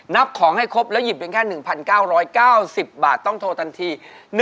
นับของให้ครบแล้วหยิบเพียงแค่๑๙๙๐บาทต้องโทรทันที